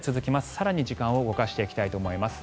更に時間を動かしていきたいと思います。